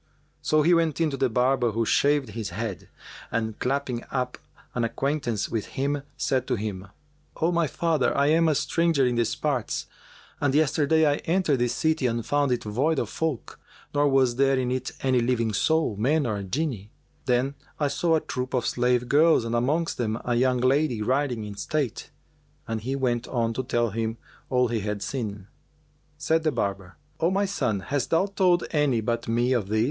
So he went in to the barber who shaved his head; and, clapping up an acquaintance with him, said to him, "O my father, I am a stranger in these parts and yesterday I entered this city and found it void of folk, nor was there in it any living soul, man nor Jinni. Then I saw a troop of slave girls and amongst them a young lady riding in state:" and he went on to tell him all he had seen. Said the barber, "O my son, hast thou told any but me of this?"